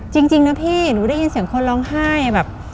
จริงนะพี่หนูได้ยินเสียงคนร้องไห้แบบ